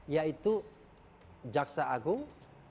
yaitu jaksa agung